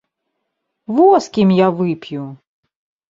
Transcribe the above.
Во з кім я вып'ю!